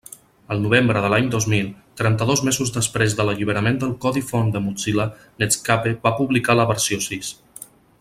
El novembre de l'any dos mil, trenta-dos mesos després de l'alliberament del codi font de Mozilla, Netscape va publicar la versió sis.